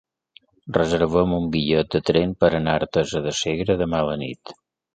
Reserva'm un bitllet de tren per anar a Artesa de Segre demà a la nit.